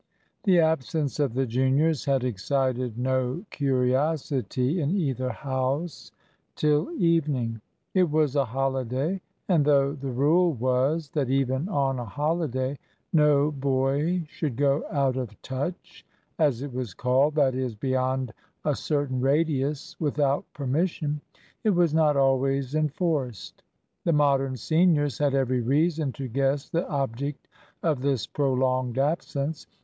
The absence of the juniors had excited no curiosity in either house till evening. It was a holiday, and though the rule was that even on a holiday no boy should go "out of touch," as it was called, that is, beyond a certain radius, without permission, it was not always enforced. The Modern seniors had every reason to guess the object of this prolonged absence.